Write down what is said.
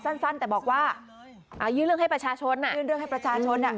ตอบสั้นแต่บอกว่ายื่นเรื่องให้ประชาชนอ่ะ